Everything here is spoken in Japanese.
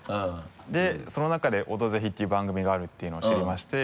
でその中で「オドぜひ」っていう番組があるっていうのを知りまして。